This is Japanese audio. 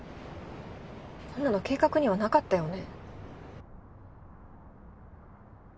こんなの計画にはなかったよね。